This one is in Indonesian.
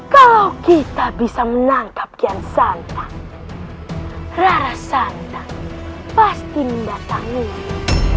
kalau kita bisa menangkap kian santam rara santam pasti mendatangimu